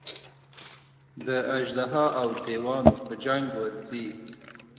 د اژدها او دېوانو په جنګ ورځي.